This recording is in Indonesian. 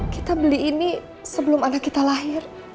kita beli ini sebelum anak kita lahir